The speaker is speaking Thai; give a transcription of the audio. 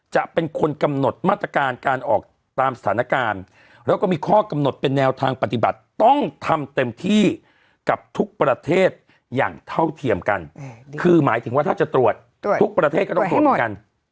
คือหมายถึงว่าถ้าจะตรวจทุกประเทศก็ต้องตรวจด้วยกัน